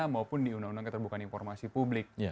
maupun di undang undang keterbukaan informasi publik